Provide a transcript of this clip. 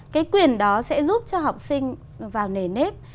cái quyền đó sẽ giúp cho học sinh vào nề nếp